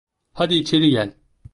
Hadi içeri gel.